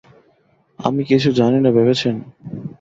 আমি কিছু জানি না ভেবেছেন?